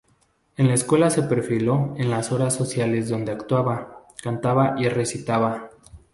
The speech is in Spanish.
En la escuela se perfiló en las horas sociales donde actuaba, cantaba y recitaba.